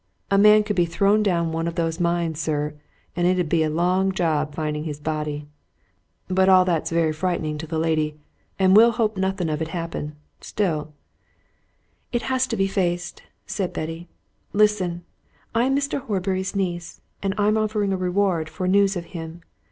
A man could be thrown down one of those mines, sir, and it 'ud be a long job finding his body! But all that's very frightening to the lady, and we'll hope nothing of it happened. Still " "It has to be faced," said Betty. "Listen I am Mr. Horbury's niece, and I'm offering a reward for news of him.